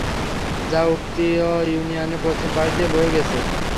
যা উক্ত ইউনিয়নের পশ্চিম পাশ দিয়ে বয়ে গেছে।